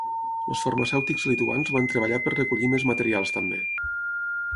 Els farmacèutics lituans van treballar per recollir més materials també.